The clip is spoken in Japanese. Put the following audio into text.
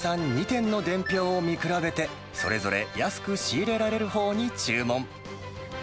２店の伝票を見比べて、それぞれ安く仕入れられるほうに注文。